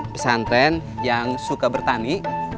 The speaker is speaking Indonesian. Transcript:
pesanten yang suka bertani